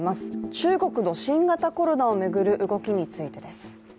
中国の新型コロナを巡る動きについてです。